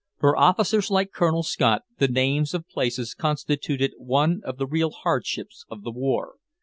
For officers like Colonel Scott the names of places constituted one of the real hardships of the war.